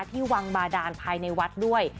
ที่วังบาดานภายในวัดด้วย